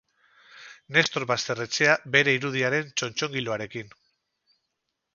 Nestor Basterretxea bere irudiaren txotxongiloarekin.